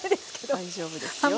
大丈夫ですよ。